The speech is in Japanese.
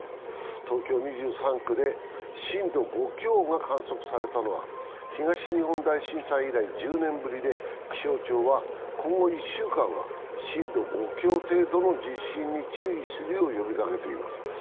東京２３区で震度５強が観測されたのは東日本大震災以来１０年ぶりで気象庁は今後１週間は震度５強程度の地震に注意するよう呼びかけています。